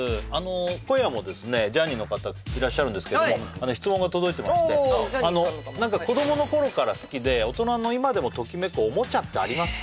今夜もですねジャーニーの方いらっしゃるんですけども質問が届いてまして何か子どもの頃から好きで大人の今でもときめくおもちゃってありますか？